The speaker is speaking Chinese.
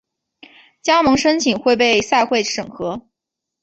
加盟申请会被赛会审核。